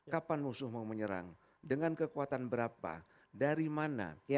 kapan musuh mau menyerang dengan kekuatan berapa dari mana